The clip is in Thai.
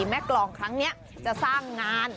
แม่กรองครั้งนี้จะสร้างงาน